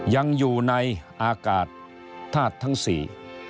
ยังอยู่ในอากาศธาตุทั้งสี่